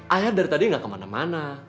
ayah dari tadi gak kemana mana